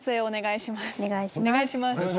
お願いします。